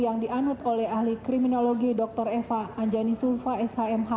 yang dianut oleh ahli kriminologi dr eva anjani sulfa s h m h